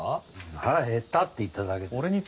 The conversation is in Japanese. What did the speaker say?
「腹減った」って言っただけです。